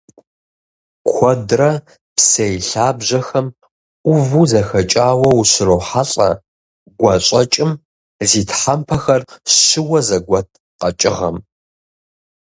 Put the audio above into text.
Куэдрэ псей лъабжьэхэм Ӏуву зэхэкӀауэ ущрохьэлӀэ гуащӀэкӀым - зи тхьэмпэхэр щыуэ зэгуэт къэкӀыгъэм.